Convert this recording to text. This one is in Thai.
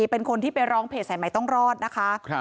เป็นคนที่ไปร้องเพจสายใหม่ต้องรอดนะคะ